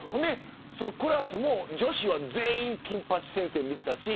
クラスの女子は全員金八先生を見ていたし。